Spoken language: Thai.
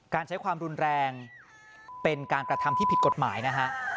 การใช้ความรุนแรงเป็นการกระทำที่ผิดกฎหมายนะฮะ